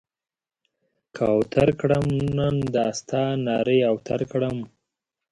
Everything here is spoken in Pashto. که اوتر کړم؛ نن دا ستا نارې اوتر کړم.